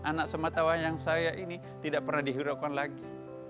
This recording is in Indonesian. anak sematawayang saya ini tidak pernah dihiraukan lagi